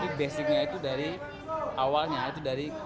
tapi basicnya itu dari awalnya itu dari kanguru